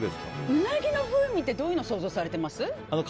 うなぎの風味ってどういうの想像されてます？